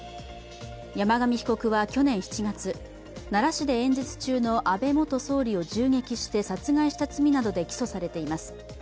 山上被告は去年７月、奈良市で演説中の安倍元総理を銃撃して殺害した罪などで起訴されています。